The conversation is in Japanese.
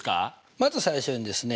まず最初にですね